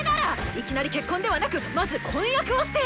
いきなり結婚ではなくまず婚約をして。